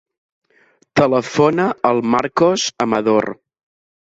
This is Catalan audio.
Telefona al Marcos Amador.